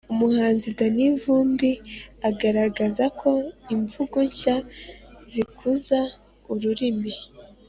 uyu muhanzi danny vumbi agaragaza ko imvugo nshya zikuza ururimi